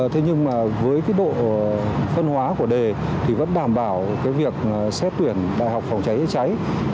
thế nhưng mà với cái độ phân hóa của đề thì vẫn đảm bảo cái việc xét tuyển đại học phòng cháy cháy